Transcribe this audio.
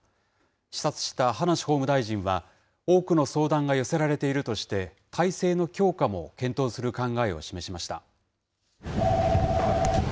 視察した葉梨法務大臣は、多くの相談が寄せられているとして、体制の強化も検討する考えを示しました。